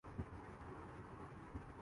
آپ اس طرف کا کبھی قصد نہ کریں ۔